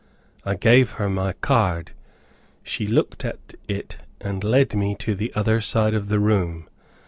I gave her my card; she looked at it, and led me to the other side of the room.